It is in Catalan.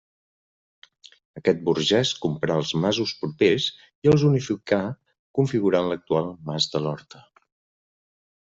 Aquest burgès comprà els masos propers i els unificà configurant l’actual mas de l’Horta.